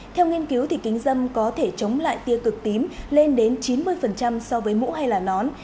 theo nghiên cứu thì kính dâm có thể chống lại tia cực tím lên đến chín mươi so với mũ hay là nón